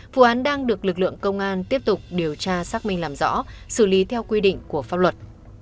vụ án đang được lực lượng công an tiếp tục điều tra xác minh làm rõ xử lý theo quy định của pháp luật